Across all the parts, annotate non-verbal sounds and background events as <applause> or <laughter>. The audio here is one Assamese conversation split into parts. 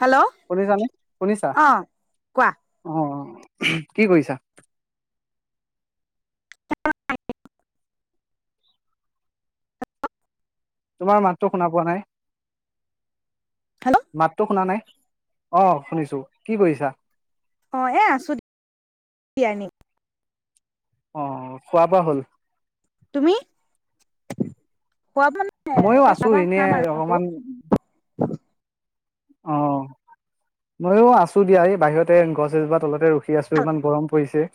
হেল্ল' শুনিছানে শুনিছা অ কোৱা অ, কি কৈছা? <unintelligible> তোমাৰ মাতটো শুনা পোৱা নাই। হেল্ল' মাতটো শুনা নাই। অ, শুনিছো কি কৰিছা? অঁ, এ আছো দিয়া এনেই। অ, খোৱা বোৱা হ'ল? তুমি <unintelligible> ময়ো আছো চাহ তাহ এনে খাম আৰু আকৌ। অকমান, <unintelligible> অ, মইো আছো দিয়া এই বাহিৰতে গছ এজোপা তলতে ৰখি দিয়াচোন ইমান গৰম পৰিছে।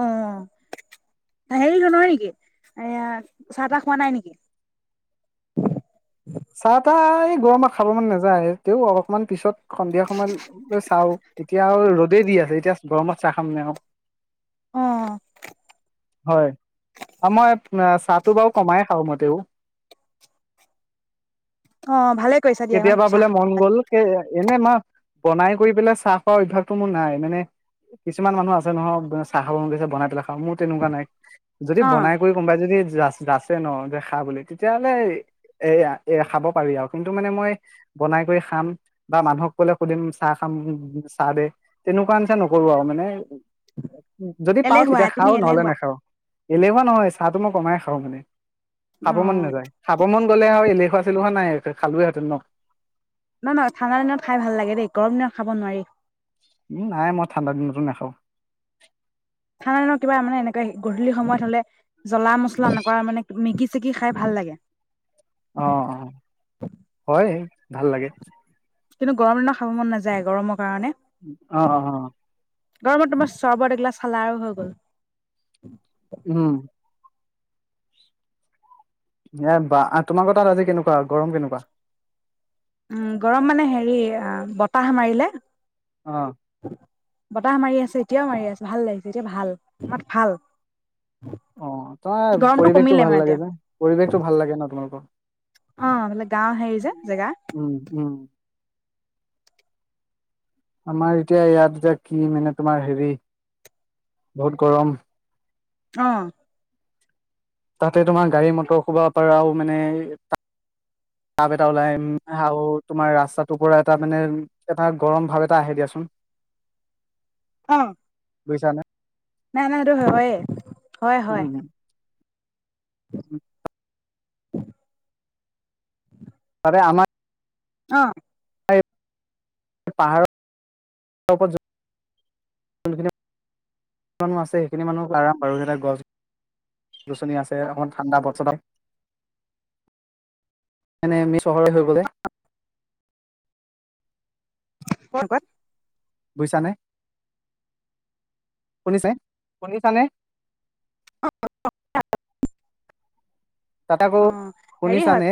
অ, হেৰি নয় নেকি এয়া চাহ তাহ খোৱা নাই নেকি? চা তা। গৰমত খাব মন নাযায়ে, তেও অলপমান পিছত সন্ধিয়া সময় চাও এতিয়া আৰু ৰদে দি আছে, এতিয়া গৰমত চাহ খাম নে আও। অ। হয়, আৰু মই চাহটো বাৰু কমাই খাওঁ মতেও। অ, ভালে। কৰিছা দিয়া ইমান কেতিয়াবা বোলে চাহ মন গ'ল কে এনে মই বনাই কৰি পেলাই চাহ খোৱা অভ্যাস টো মোৰ নাই মানে কিছুমান মানুহ আছে নহয় চাহ খাব গৈছে বনাই পেলাই খা মোৰ তেনেকুৱা নাই। যদি অ বনাই কৰি কোনোবাই যদি যাচ যাচছে ন যে খা বুলি, তেতিয়া হলে এ-এয়া খাব পাৰি আও টো মানে, মই বনাই কৰি খাম বা মানুহক কলে সুধিম চাহ খাম, চাহ দে, তেনেকুৱা নিচিনা নকৰো আৰু মানে যদি পাওঁ, এলেহুৱা তেতিয়া তুমি খাওঁ, নহলে এলেহুৱা নেখাওঁ। এলেহুৱা নহয়, চাহটো মই কমাই খাও, মানে অ খাব মন নাযায়, খাবমান গ'লে আৰু এলে <unintelligible> নাই। খালো হেঁতেন ন। না না ঠাণ্ডা দিনত খাই ভাল লাগে দেই, গৰম দিনত খাব নোৱাৰি উম নাই, মই ঠাণ্ডা দিনতো নাখাওঁ। ঠাণ্ডা দিনত, কিবা মানে এনেকুৱা গধূলি সময়ত হলে, জ্বলা মছলা এনেকুৱা মানে, মেগী চেগী খাই ভাল লাগে। অ, হয়। ভাল লাগে। কিন্তু গৰম দিনত খাব মন নাযায় গৰমত। অ, অ, অ। গৰমত তোমাৰ, চৰ্বত এইগিলাচ খালা আৰু হৈ গ'ল। উম। এ, বা, তোমাৰোকৰ তাত আজি কেনেকুৱা, গৰম কেনেকুৱা? উম, গৰম মানে হেৰি বতাহ মাৰিলে। অ। বতাহ মাৰি আছে, এতিয়াও মাৰি আছে, ভাল লাগিছে এতিয়া ভাল, তোমাত ভাল অ, তোমাৰ গৰমটো পৰিৱেশটো কমিলে ভাল মানে লাগে এতিয়া যে, পৰিৱেশটো ভাল লাগে ন, তোমালোকৰ। অ, গাঁও হেৰি যে জেগা। উম, উম, আমাৰ এতিয়া, ইয়াত এতিয়া কি মানে তোমাৰ হেৰি বহুত গৰম। অ। তাতে, তোমাৰ গাড়ী মটৰ খোবা পৰাও, মানে টাব এটা ওলাই আৰু তোমাৰ ৰাস্তাটো পৰা এটা মানে এটা গৰম ভাৱ এটা আহে দিয়াচোন। অ। বুজিছা নে। নাই নাই হেইটো হয়ে হয়, হয়। উম তাৰে আমাৰ অ পাহাৰ সেইখিন মানুহ আৰাম, বাৰু গছ গছনি আছে অকমান ঠাণ্ডা, পথ চহৰ হৈ গ'ল। <unintelligible> বুজিছানে, শুনিছে? শুনিছানে? তাত আকৌ অ', হেৰি হয় শুনিছানে,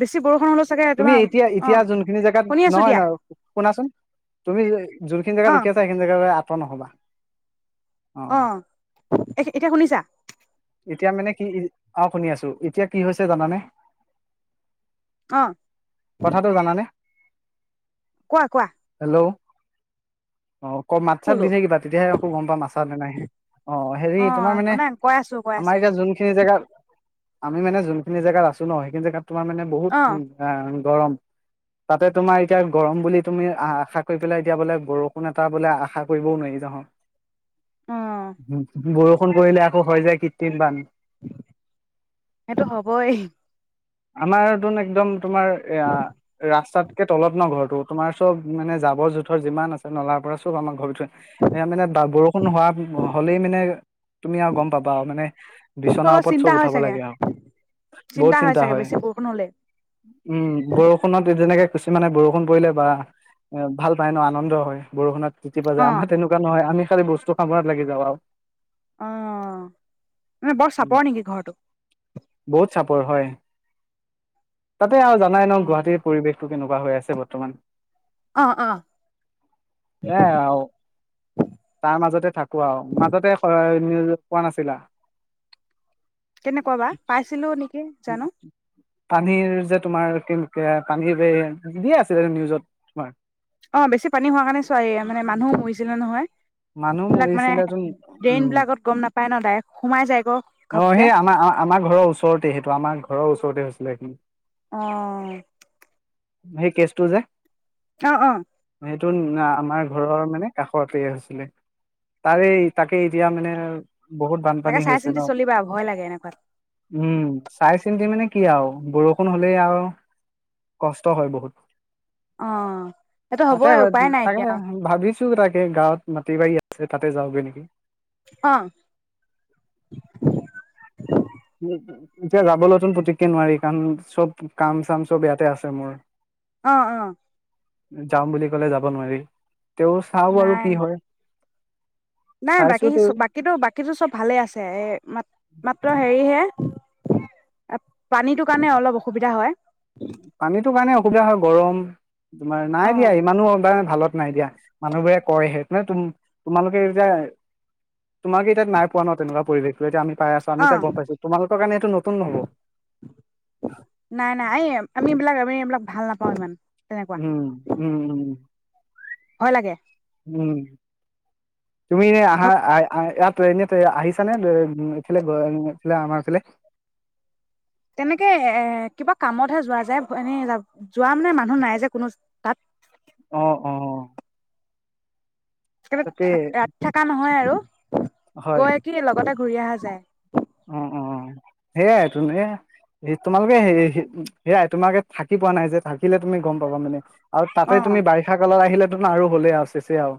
বেছি বৰষুণ হ'লেও চাগে তুমি তোমাৰ এতিয়া, এতিয়া অ', যোনখিনি জেগাত শুনি আছো নহয়, দিয়া নহয় শুনাচোন, তুমি যোনখিনি জেগাত অ', ৰখি আছা, সেইখিনি জেগালৈ আ নহ'বা অ, এতিয়া শুনিছা? এতিয়া মানে কি? অ, শুনি আছো এতিয়া, কি হৈছে জানানে? অ', কথাটো জানানে কোৱা কোৱা হেল্ল' অ ক মা চাত দি বোলো থাকিবা তেতিয়াহে আকৌ গম পা মাছা নাই হে অ হেৰি তোমাৰ অ', মানে কৈ আছো কৈ আমাৰ আছো এতিয়া যোনখিনি জেগাত আমি মানে যোনখিনি জেগাত আছো ন সেইখিনি জেগাত তোমাৰ মানে বহুত উ অ', গৰম তাতে তোমাৰ এতিয়া গৰম বুলি তুমি আশা কৰি পেলাই এতিয়া বোলে বৰষুণ এটা বোলে আশা কৰিবও নোৱাৰি নহ অ', ব ফোন কৰিলে আকৌ হৈ যায় কি তিনবান সেইটো হ'বই আমাৰতোন একদম তোমাৰ এয়া ৰাস্তাতকে তলত ন ঘৰটোত তোমাৰ চব মানে জাবৰ জোথৰ যিমান আছে নলাৰ পৰা চব আমাৰ ঘৰ তে এ মানে বৰষুণ হোৱা হলেই মানে তুমি আৰু গম পাবা মানে বিচনাৰ অলপ ওপৰত চিন্তা চব হয় উঠাব চাগে লাগে আৰু বহুত চিন্তা চাগে হয় বেছি বৰষুণ হ'লে উম বৰষুণত যেনেকে কিছুমানে বৰষুণ পৰিলে বা এ ভাল পায় ন আনন্দ হয় বৰষুণত তিতিবলে যে অ', আমি তেনেকুৱা নহয় আমি খালি বস্তু খাঙাত লাগি যাও আৰু আ মানে বৰ উম। চাপৰ নেকি ঘৰটো বহুত চাপৰ হয় তাতে আৰু জানাই ন গুৱাহাটীৰ পৰিৱেশ টো কেনেকুৱা হৈ আছে বৰ্তমান অ অ এ আৰু তাৰ মাজতে থাকো আৰু মাজতে নিউজত কোৱা নাছিলা কেনেকুৱা বা পাইছিলো নেকি জানো পানীৰ যে তোমাৰ কেনেক পানীৰ দিয়ে আছিলে নিউজত তোমাৰ অ বেছি পানী হোৱা কাৰণে চোৱাই মানে মানুহো শুইছিলে নহয় মানুহ এইবিলাক মানে মৰিছিলে ত উম ন সেই ড্ৰেইন বিলাকত গম নাপায় ন ডাইৰেক্ট সোমাই যায় গৈ ঘপকে আমাৰ আমাৰ ঘৰৰ ওচৰৰত সেইটো আমাৰ ঘৰৰ ওচৰতে হৈছিলে সি অ সেই কেচটো যে অ অ সেইটো আমাৰ ঘৰৰ মানে কাষতে আছে তাৰে তাকে এতিয়া মানে বহুত তাকে বানপানী চাই হৈছে চিন্তি ন চলিবা ভয় লাগে এনেকুৱাত উম চাই চিন্তি মানে কি আৰু বৰষুণ হ'লে আৰু কষ্ট হয় বহুত অ সেইটো তাকে হ'বই উপায় নাই তাকে এতিয়া ভাবিছো তাকে গাঁৱত প্ৰতিবাৰী আছে তাতে যাওগৈ নেকি অ উ এতিয়া যাবলৈতোন পতককে নোৱাৰি কাৰণ চব কাম চাম চব ইয়াতে আছে মোৰ অ অ যাম বুলি ক'লে যাব নোৱাৰি তে চাও বাৰু নাই কি হয় নাই চাইছো বাকী তেওঁ বাকীতো বাকীতো চব ভালে আছে এ মাত মাত্ৰ হেৰিহে পানীটো কাৰণে অলপ অসুবিধা হয় পানীতটো কাৰণে অসুবিধা হয় গৰম তোমাৰ নাই অ দিয়া সি মানুহ বা ভালত নাই দিয়া মানুহবোৰে কয়হেে তম তোমালোকে এতিয়া তোমালোকে এতিাত নাই পোৱা ন তেনেকুৱা পৰিৱেশ এতিয়া আমি পাই আছো আমি অ এাক গম পাইছো তোমালোকৰ কাৰণে এইটো নতুন হব নাই নাই আমি এইবিলাক আমি এইবিলাক ভাল নাপাওঁ ইমান তেনেকুৱা উম উম উম ভয় লাগে উম তুমি ন ঘ আহা ত এনে ত আহিছানেফালেফালে আমাৰ এইফালে তেনেকে এ কিবা কামতহে যোৱা যায় এনেই যোৱা মানে মানুহ নাই যে কোনো তাত অ অ স তাকে থ ৰাতি থকা নহয় আৰু হয় গৈ কি লগতে ঘূৰি অহা যায় অ অ সেইয়াই তুম তোমালোকে স সেয়াই তোমালে থাকি পোৱা নাই যে থাকিলে তুমি গম পাবা মানে আৰু অ তাতে তুমি বাৰিষা কালত আহিলে আৰু হ'লে আৰু চছে আৰু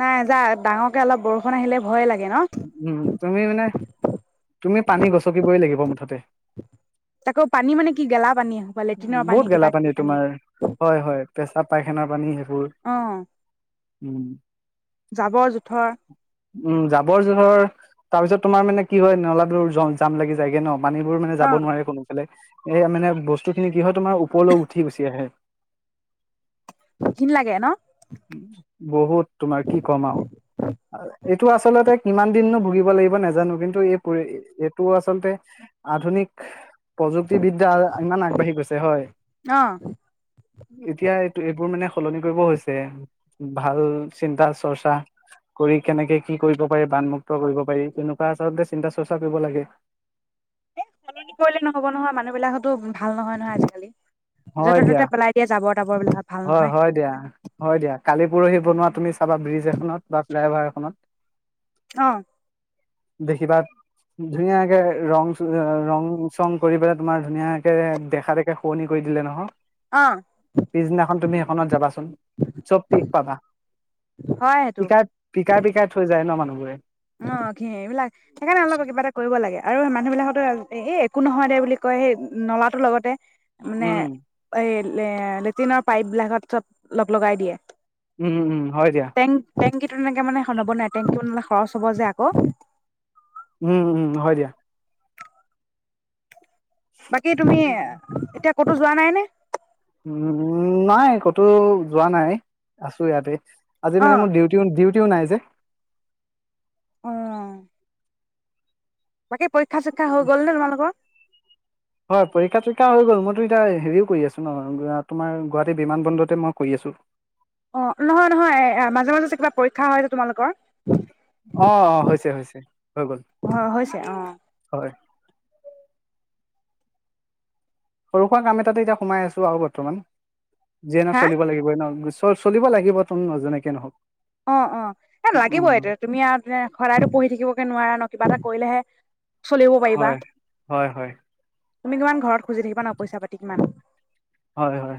নাই যা ডাঙৰকে অলপ বৰষুণ আহিলে ভয়ে লাগে ন উম তুমি মানে তুমি পানী গচকিবই লাগিব গ'ব মুঠতে তকৌ পানী মানে কি গেলা পানী আহো বা লেট্ৰিনৰ বহুত পানী গেলা কিবা কিবি পানী আহো পায়খানা পানী সেইবোৰ আহ উম যাবৰ জোথৰ উম যাব ৰ জোথৰ তাৰ পিছত তোমাৰ মানে কি হয় নলাটোৰ জাম লাগি যায়গে ন পানীবোৰ মানে অ যাব নোৱাৰে কোনোফালে এই মানে বস্তু খিনি কি হয় তোমাৰ ওপৰলৈ উঠি গুচি আহে ঘিন লাগে ন বহুত তোমাৰ কি কম আও এইটো আচলতে কিমান দিননো ভুগিব লাগিব নাজানো কিন্তু এই পৰি এইটো আচলতে আধুনিক প্ৰযুক্তিবিদ্যা আৰু ইমান আগবাঢ়ি গৈছে হয় অ এতিয়া এইটো এইবোৰ মানে সলনি কৰিব হৈছে ভাল চিন্তা চৰ্চা কৰি কেনেকে কি কৰিব পাৰি বানমুক্ত কৰিব পাৰি তেনেকোৱা আচলতে চিন্তা চৰ্চা কৰিব লাগে এ সলনি কৰিলে নহব নহয় মানুহ বিলাকতো ভাল নহয় নহয় আজিকালি য'তে ত'তে পেলাই দিয়া যাবৰ হয় হয় দিয়া হয় দিয়া কালি পৰহি বনোৱা তুমি তাপা ব্ৰিজ এখনত বা ফ্লাই অভাৰ অসমত অ দেখিবা ধুনীয়াকে ৰং চ ৰং চং কৰি পেলাই তোমাৰ ধুনীয়াকে দেখা দেখে শুৱনি কৰি দিলে নহয় অ পিছদিনাখন তুমি সেইখনত যাবাচোন চব পিক পাবা হয় সেইটো পিক পিকাই পিকাই থৈ যায় ন মানুহ হয় অ ঘিণ এইবিলাক সেইকাৰণে অলপ কিবা এটা কৰিব লাগে আৰু মানুহবিলাকতো এই একো নহয় দে বুলি কয় সেই নলাটোৰ লগতে মানে উম এই এ লেট্ৰিনৰ পাইপ বিলাকত চব লগ লগাই দিয়ে উম উম হয় দিয়া টেংকি তেনেকে মানে খনাব নাই টেংকি খৰচ হ'ব যে আকৌ উম উম হয় দিয়া বাকী তুমি এতিয়া ক'তো যোৱা নাই নে উম নাই। কতো যোৱা নাই। আছো ইয়াতে। আজি অ মানে মোৰ ডিউটি ডিউটিও নাই যে। অ। বাকী পৰীক্ষা চৰীক্ষা হৈ গ'ল নে তোমালোকৰ? হয় পৰীক্ষা চৰীক্ষা হৈ গ'ল মইতো এতিয়া হেৰিও কৰি আছো ন তোমাৰ গুৱাহাটী বিমান বন্দৰতে মই কৰি আছো। অ', নহয় নহয় মাজে মাজে কিবা পৰীক্ষা হয় যে তোমালোকৰ। অ' অ'। হৈছে। হৈছে। হৈ গ'ল অ হৈছে। অ। হয় সৰু- সুৰা কাম এটাতে এতিয়া সোমাই আছো আৰু বৰ্তমান। যিয়ে নহক হা চলিব লাগিবই ন। চলিব লাগিব তুম নজনেকে নহওক। অ', অ, এ লাগিব উম এতিয়া তুমি আৰু সদায়তো পঢ়ি থাকিব কে নোৱাৰা ন কিবা এটা কৰিলেহে চলিব পাৰিবা হয় হয় হয়। তুমি কিমান ঘৰত খুজি থাকিবা ন পইচা পাতি কিমান। হয়। হয়।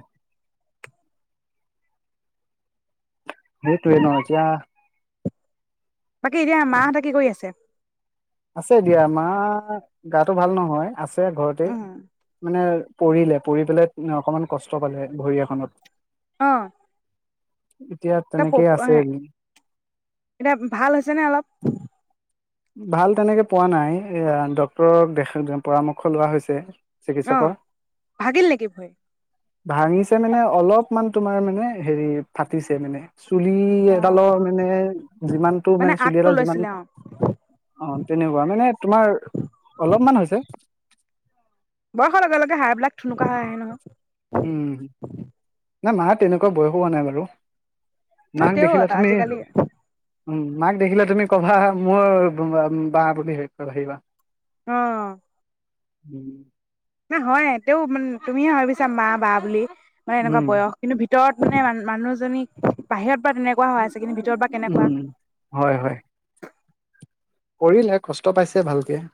সেইটোয়ে ন এতিয়া বাকী এতিয়া মাহঁতে কি কৰি আছে? আছে দিয়া। মা গাটো ভাল নহয়। আছে আছে ঘৰতে। উম মানে পৰিলে পৰি পেলাই অকমান কষ্ট পালে ভৰি এখনত। অহ। এতিয়া এটা তেনেকেই আছে <unintelligible> এতিয়া ভাল হৈছে নে অলপ? ভাল তেনেকে পোৱা নাই। ডক্তৰক দেখ- পৰামৰ্শ লোৱা হৈছে। অ চিকিৎসকৰ ভাগিল নেকি ভৰি? ভাঙিছে মানে অলপমান তোমাৰ মানে হেৰি ফাটিছে মানে চুলি অ এডালৰ মানে যিমানটো মানে চুলি আগটো এডাল যিমান লৈছিলে অ অ', তেনেকুৱা মানে তোমাৰ অলপমান হৈছে। বয়সৰ লগে লগে হাঁড়বিলাক থুনুকা হৈ আহে নহয়। উম। নাই মা তেনেকুৱা বয়সো হোৱা নাই বাৰু। অ' মাক তেও দেখিলে তুমি আজিকালি উম মাক দেখিলে তুমি কবা, মোৰ বা বুলি ভাবিবা। অহ। উম। হয়ে। তেও মান- তুমিয়ে ভাবিছা মা -বা বুলি মানে এনেকোৱা উম, বয়স কিন্তু ভিতৰত মানে মানুহজনীক বাহিৰত বা তেনেকুৱা হৈ আছে কিন্তু ভিতৰত বা কেনেকুৱা উম হয় হয় কৰিলে কষ্ট পাইছে ভালকে